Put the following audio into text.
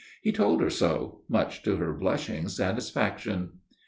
He told her so, much to her blushing satisfaction.